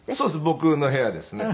僕の部屋ですね。